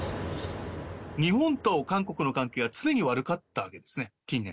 日本と韓国の関係は常に悪かったわけですね、近年。